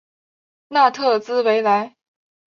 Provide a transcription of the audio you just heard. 纳特兹维莱。